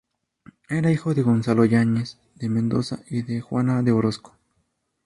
Era hijo de Gonzalo Yáñez de Mendoza y de Juana de Orozco.